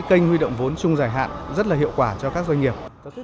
kênh huy động vốn chung giải hạn rất là hiệu quả cho các doanh nghiệp